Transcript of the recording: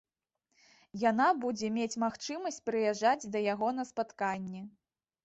Яна будзе мець магчымасць прыязджаць да яго на спатканні.